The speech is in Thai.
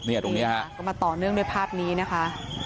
ตรงนี้ฮะก็มาต่อเนื่องด้วยภาพนี้นะคะ